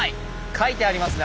書いてありますね